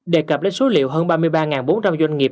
đề cập đến số liệu hơn ba mươi ba bốn trăm linh doanh nghiệp